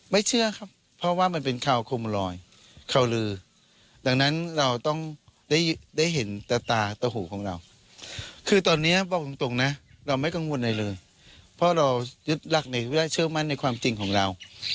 เพราะเรายึดรักในเวลาเชื่อมั่นในความจริงของเรา